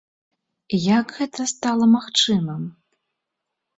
Як гэта стала магчымым?